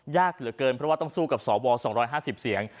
ยากเหลือเกินเพราะว่าต้องสู้กับสว๒๕๐เสียง